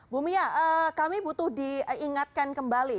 bumiya kami butuh diingatkan kembali